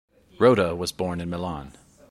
Rota was born in Milan.